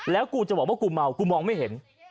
แล้วกูจะบอกว่ากูเมากูมองไม่เห็น